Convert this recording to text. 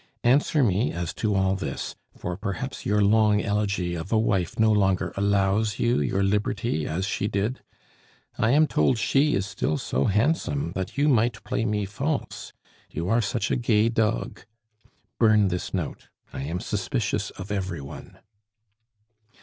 Answer me as to all this, for perhaps your long elegy of a wife no longer allows you your liberty as she did. I am told she is still so handsome that you might play me false, you are such a gay dog! Burn this note; I am suspicious of every one."